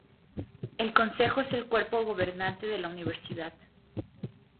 El Consejo es el cuerpo gobernante de la universidad.